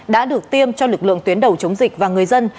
đã được tiêm cho lực lượng tuyến đầu chống dịch và người dân